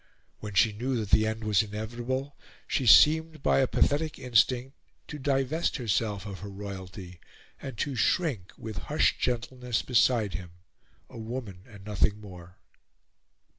When she knew that the end was inevitable, she seemed, by a pathetic instinct, to divest herself of her royalty, and to shrink, with hushed gentleness, beside him, a woman and nothing more.